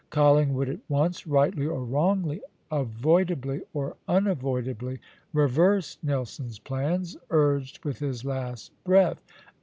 Collingwood at once, rightly or wrongly, avoidably or unavoidably, reversed Nelson's plans, urged with his last breath.